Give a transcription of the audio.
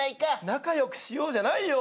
仲良くしようじゃないよ。